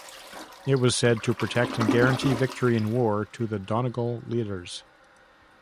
It was said to protect and guarantee victory in war to the Donegal leaders.